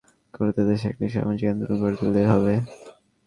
পুষ্টিসম্মত খাবারকে সহজলভ্য করতে দেশে একটি সামাজিক আন্দোলন গড়ে তুলতে হবে।